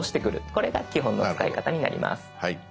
これが基本の使い方になります。